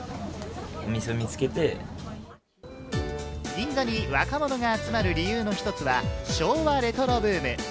銀座に若者が集まる理由の１つは、昭和レトロブーム。